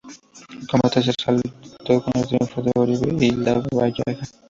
El combate se saldó con el triunfo de Oribe y Lavalleja.